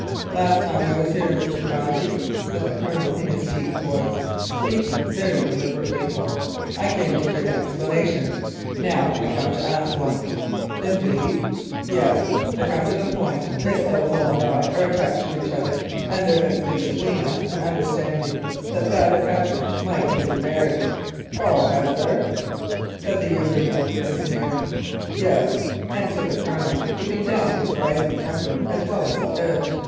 "Last time I was here, Mr. Cossey," said the Colonel in his deep voice, speaking very deliberately, "I came to give an explanation; now I come to ask one." "Indeed!" "Yes. To come to the point, Miss de la Molle and I are attached to each other, and there has been between us an understanding that this attachment might end in marriage." "Oh! has there?" said the younger man with a sneer. "Yes," answered the Colonel, keeping down his rising temper as well as he could.